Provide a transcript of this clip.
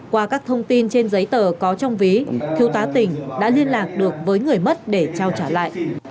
qua các thông tin trên giấy tờ có trong ví thiếu tá tỉnh đã liên lạc được với người mất để trao trả lại